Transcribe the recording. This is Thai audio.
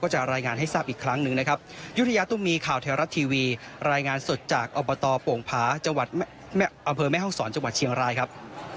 จะรายงานให้ทราบอีกครั้งหนึ่งนะครับยุธยาตุ้มมีข่าวไทยรัฐทีวีรายงานสดจากอบตโป่งผาจังหวัดอำเภอแม่ห้องศรจังหวัดเชียงรายครับ